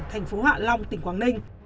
thành phố hạ long tỉnh quảng ninh